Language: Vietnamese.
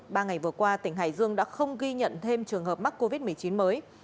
ba ngày vừa qua tỉnh hải dương đã không ghi nhận thêm trường hợp mắc covid một mươi chín mới